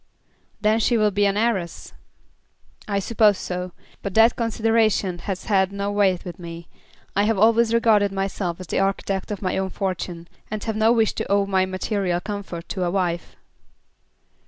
"Then she will be an heiress." "I suppose so; but that consideration has had no weight with me. I have always regarded myself as the architect of my own fortune, and have no wish to owe my material comfort to a wife."